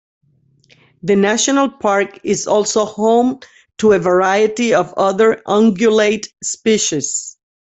The national park is also home to a variety of other ungulate species.